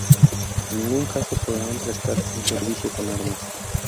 En ningún caso podrán prestar un servicio con armas".